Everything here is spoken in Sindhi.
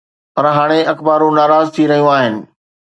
پر هاڻي اخبارون ناراض ٿي رهيون آهن.